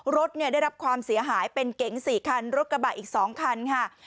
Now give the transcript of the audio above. รถเนี่ยได้รับความเสียหายเป็นเก๋ง๔คันรถกระบะอีก๒คันค่ะ